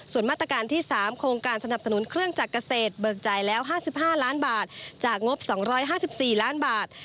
ส่วนมาตรการที่๓โครงการสนับสนุนเครื่องจักรเกษตรเบิกจ่ายแล้ว๕๕ล้านบาทจากงบ๒๕๔ล้านบาท